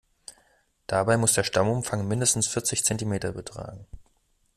Dabei muss der Stammumfang mindestens vierzig Zentimeter betragen.